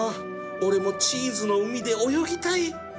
俺もチーズの海で泳ぎたい